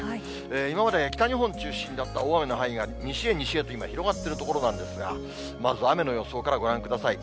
今まで北日本中心だった大雨の範囲が西へ西へと今、広がっているところなんですが、まず雨の予想からご覧ください。